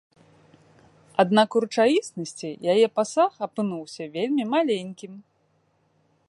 Аднак у рэчаіснасці яе пасаг апынуўся вельмі маленькім.